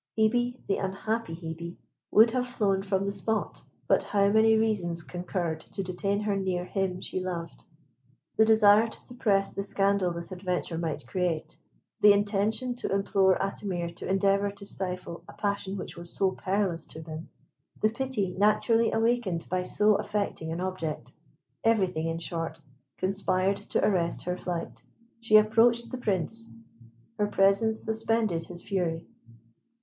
Hebe, the unhappy Hebe, would have flown from the spot; but how many reasons concurred to detain her near him she loved! The desire to suppress the scandal this adventure might create; the intention to implore Atimir to endeavour to stifle a passion which was so perilous to them; the pity naturally awakened by so affecting an object, everything, in short, conspired to arrest her flight. She approached the Prince. Her presence suspended his fury.